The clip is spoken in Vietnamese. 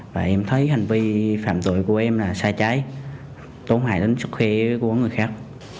và em thấy hành vi phạm tội của em là sai trái tốn hại đến sức khỏe của người khác